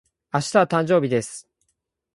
明日は、誕生日です。